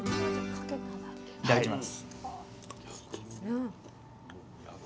いただきます。